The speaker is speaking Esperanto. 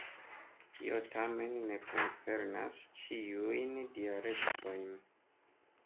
Tio tamen ne koncernas ĉiujn dialektojn.